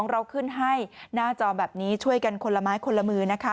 เราขึ้นให้หน้าจอแบบนี้ช่วยกันคนละไม้คนละมือนะคะ